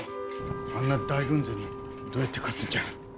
あんな大軍勢にどうやって勝つんじゃ。